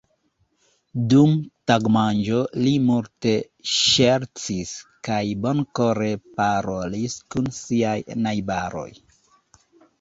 Dum tagmanĝo li multe ŝercis kaj bonkore parolis kun siaj najbaroj.